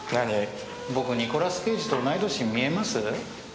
僕ニコラス・ケイジと同い歳に見えます？